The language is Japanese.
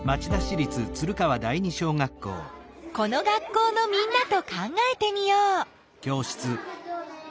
この学校のみんなと考えてみよう。